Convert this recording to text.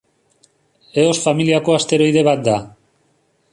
Eos familiako asteroide bat da.